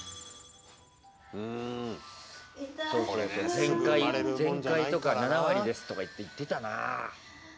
「全開」とか「７割です」とかいって言ってたな。